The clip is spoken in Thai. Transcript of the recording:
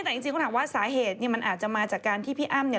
แต่จริงคุณถามว่าสาเหตุมันอาจจะมาจากการที่พี่อ้ำ